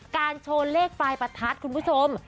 โชว์เลขปลายประทัดคุณผู้ชม